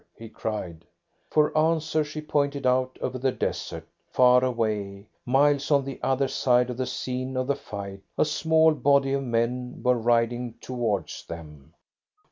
he cried. For answer she pointed out over the desert. Far away, miles on the other side of the scene of the fight, a small body of men were riding towards them.